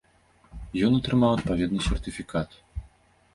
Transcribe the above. Ён атрымаў адпаведны сертыфікат.